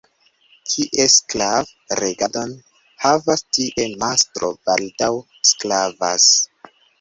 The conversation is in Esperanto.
Kie sklav' regadon havas, tie mastro baldaŭ sklavas.